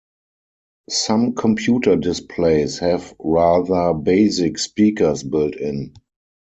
Some computer displays have rather basic speakers built-in.